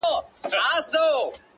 o د وخت مجنون يم ليونى يمه زه ـ